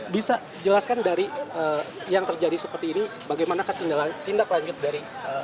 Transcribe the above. bisa jelaskan dari yang terjadi seperti ini bagaimana tindak lanjut dari